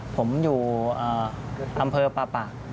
ผมอยู่อำเภอป่าปะ